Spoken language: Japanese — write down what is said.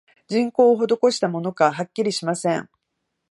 人工をほどこしたものか、はっきりしません